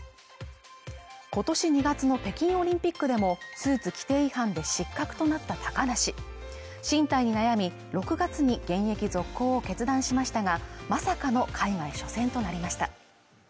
今年２月の北京オリンピックでもスーツ規定違反で失格となった高梨進退に悩み６月に現役続行を決断しましたがまさかの海外初戦となりました